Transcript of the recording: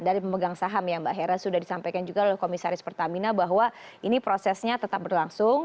dari pemegang saham ya mbak hera sudah disampaikan juga oleh komisaris pertamina bahwa ini prosesnya tetap berlangsung